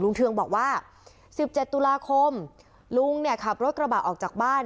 เทืองบอกว่า๑๗ตุลาคมลุงเนี่ยขับรถกระบะออกจากบ้าน